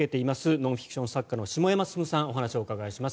ノンフィクション作家の下山進さんにお話を伺います。